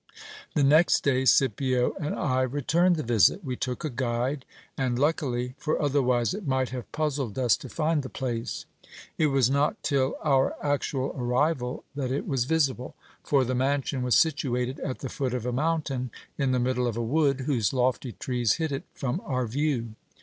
The next day, Scipio and I returned the visit. We took a guide, and luckily ; for otherwise it might have puzzled us to find the place. It was not till our actual arrival that it was visible ; for the mansion was situated at the foot of a mountain, in the middle of a wood, whose lofty trees hid it from our view.